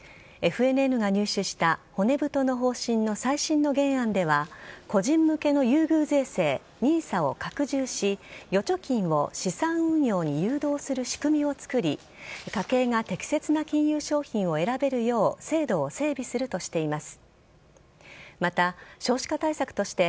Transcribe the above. ＦＮＮが入手した骨太の方針の最新の原案では個人向けの優遇税制ＮＩＳＡを拡充し預貯金を資産運用に誘導する仕組みをつくり家計が適切な金融商品を選べるよう制度を整備するとしています。